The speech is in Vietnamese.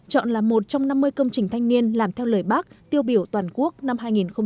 chọn là một trong năm mươi công trình thanh niên làm theo lời bác tiêu biểu toàn quốc năm hai nghìn hai mươi